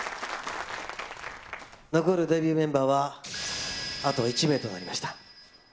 残るデビューメンバーは、あと１名となりました。